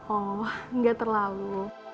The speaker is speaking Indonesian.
oh gak terlalu